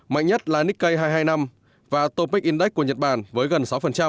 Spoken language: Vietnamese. mạnh nhất là nikkei hai trăm hai mươi năm và topec index của nhật bản với gần sáu